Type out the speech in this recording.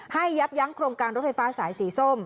ยับยั้งโครงการรถไฟฟ้าสายสีส้ม